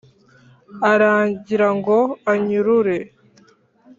aragira ngo anyurure